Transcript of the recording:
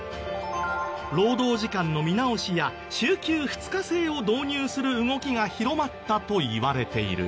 労働時間の見直しや週休２日制を導入する動きが広まったといわれている。